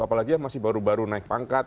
apalagi yang masih baru baru naik pangkat